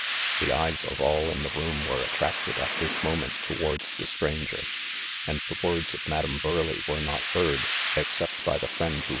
The eyes of all in the room weie. attracted^ at this moment, towards the stranger, and the words of Madam Burleigh were not heard, ex cept by the friend who.